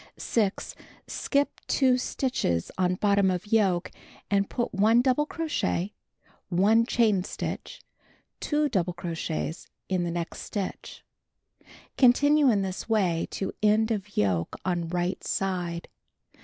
6. Skip 2 stitches on bottom of yoke, and put 1 double crochet, 1 chain stitch, 2 double crochets in the next stitch. Continue in this way to end of yoke on right side.